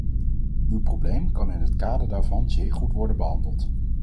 Uw probleem kan in het kader daarvan zeer goed worden behandeld.